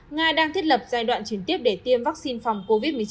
nga đang thiết lập giai đoạn chuyển tiếp để tiêm vaccine phòng covid một mươi chín